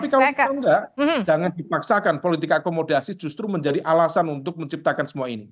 tapi kalau enggak jangan dipaksakan politik akomodasi justru menjadi alasan untuk menciptakan semua ini